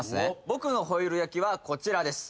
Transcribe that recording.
僕のホイル焼きはこちらです